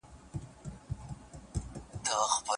هغه په خپلو ویکټو باندې د ټول ملت په شونډو خندا راولي.